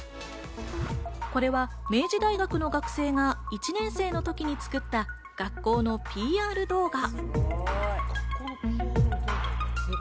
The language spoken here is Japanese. これは明治大学の学生が１年生の時に作った学校のＰＲ動画。